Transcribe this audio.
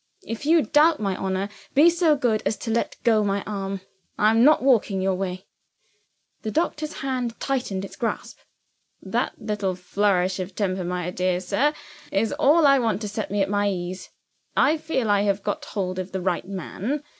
If you doubt my honor, be so good as to let go my arm I am not walking your way." The doctor's hand tightened its grasp. "That little flourish of temper, my dear sir, is all I want to set me at my ease. I feel I have got hold of the right man.